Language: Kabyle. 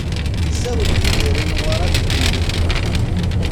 Isawel Yidir i Newwara di tilifun.